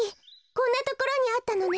こんなところにあったのね。